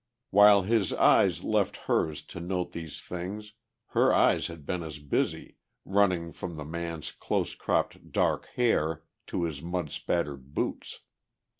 While his eyes left hers to note these things her eyes had been as busy, running from the man's close cropped dark hair to his mud spattered boots.